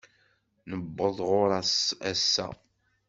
Newweḍ ɣur-s ass-a.